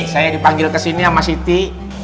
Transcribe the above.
saya dipanggil kesini sama siti